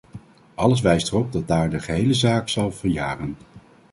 Alles wijst erop dat daar de gehele zaak zal verjaren.